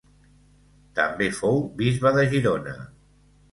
També fou bisbe de Girona.